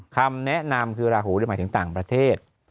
คำแนะนำคือราหูหมายถึงต่างประเทศ